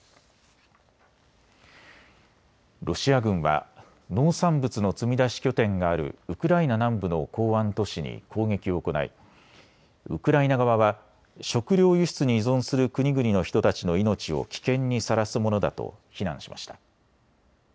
ロシア軍は農産物の積み出し拠点があるウクライナ南部の港湾都市に攻撃を行いウクライナ側は食料輸出に依存する国々の人たちの命を危険にさらすものだと非難しました。